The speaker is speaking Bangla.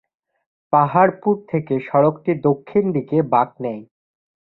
পাহাড়পুর থেকে সড়কটি দক্ষিণ দিকে বাঁক নেয়।